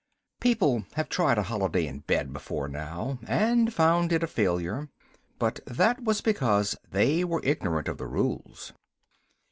People have tried a holiday in bed before now, and found it a failure, but that was because they were ignorant of the rules.